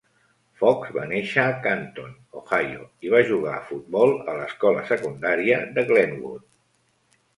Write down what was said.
Fox va néixer a Canton, Ohio, i va jugar a futbol a l'escola secundària de Glenwood.